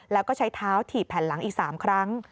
แล้วก็ใช้เท้าถีบแผ่นหลังอีก๓ครั้ง